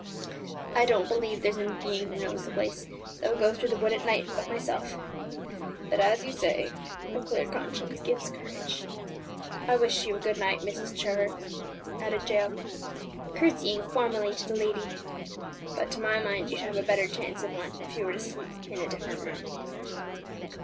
"I don't believe there's a being who knows the place that would go through the wood at night but myself; but, as you say, a clear conscience gives courage. I wish you a good night, Miss Trevor," added Jael, courtesying formally to the lady; "but, to my mind, you'd have a better chance of one if you were to sleep in a different room."